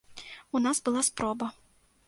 У нас была спроба.